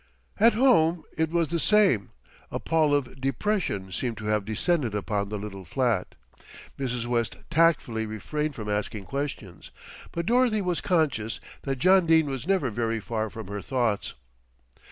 At home it was the same. A pall of depression seemed to have descended upon the little flat. Mrs. West tactfully refrained from asking questions; but Dorothy was conscious that John Dene was never very far from her thoughts.